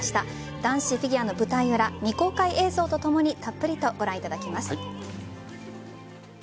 男子フィギュアの舞台裏未公開映像とともにたっぷりとご覧いただきます。